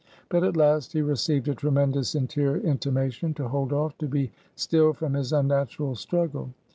But at last he received a tremendous interior intimation, to hold off to be still from his unnatural struggle.